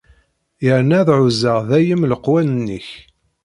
Yerna ad ɛuzzeɣ dayem leqwanen-ik.